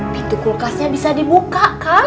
pintu kulkasnya bisa dibuka